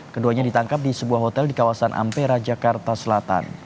keduanya ditangkap di sebuah hotel di kawasan ampera jakarta selatan